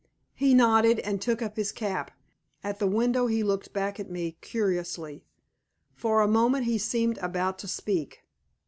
He nodded, and took up his cap. At the window he looked back at me curiously. For a moment he seemed about to speak.